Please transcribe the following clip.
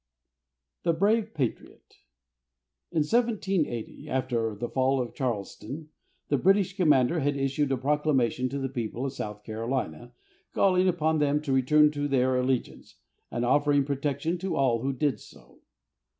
A BRAVE PATRIOT. In 1780, after the fall of Charleston, the British commander had issued a proclamation to the people of South Carolina, calling upon them to return to their allegiance, and offering protection to all who did so.